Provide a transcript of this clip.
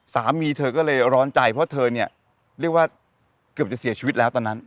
สามีเธอก็เลยร้อนใจเพราะเธอเนี่ยเรียกว่าเกือบจะเสียชีวิตแล้วตอนนั้น